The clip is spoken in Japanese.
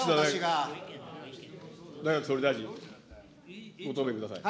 岸田内閣総理大臣、ご答弁ください。